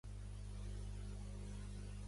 Té un front gràfic: Rpmdrake.